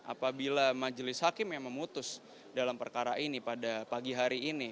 apabila majelis hakim yang memutus dalam perkara ini pada pagi hari ini